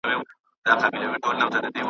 دې بېدردو ته به ولي د ارمان کیسه کومه .